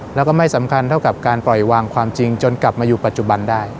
แล้วก็ไม่สำคัญเท่ากับการปล่อยวางความจริงจนกลับมาอยู่ปัจจุบันได้